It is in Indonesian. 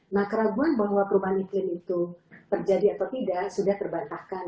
nah keraguan bahwa perubahan iklim itu terjadi atau tidak sudah terbantahkan